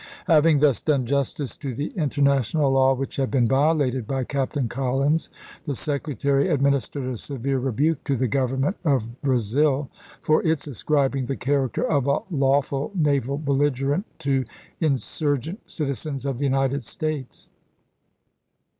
Having thus done justice to the international law which had been violated by Captain Collins, the Secretary ad ministered a severe rebuke to the Government of Brazil for its ascribing the character of a lawful naval belligerent to insurgent citizens of the United States.